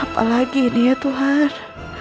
apalagi ini ya tuhan